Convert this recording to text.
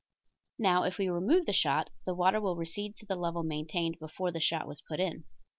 Now if we remove the shot the water will recede to the level maintained before the shot was put in.